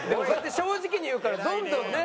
正直に言うからどんどんね。